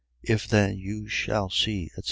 If then you shall see, etc.